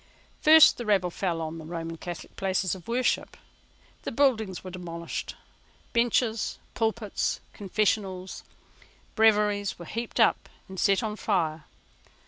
First the rabble fell on the Roman Catholic places of worship. The buildings were demolished. Benches, pulpits, confessionals, breviaries were heaped up and set on fire.